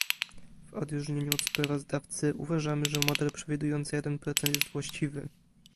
W odróżnieniu od sprawozdawcy uważamy, że model przewidujący jeden procent jest właściwy